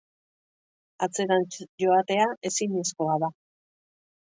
Atzerantz joatea ezinezkoa da.